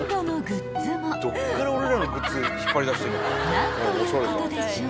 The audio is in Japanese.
［何ということでしょう］